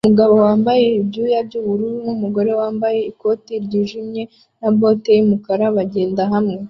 Umugabo wambaye ibyuya byubururu numugore wambaye ikoti ryijimye na bote yumukara bagenda hamwe